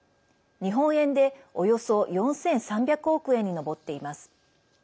日本円でおよそ４３００億円に上っています。